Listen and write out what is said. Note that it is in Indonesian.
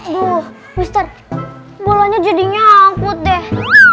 duh mister bolanya jadi nyangkut deh